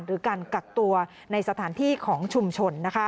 หรือการกักตัวในสถานที่ของชุมชน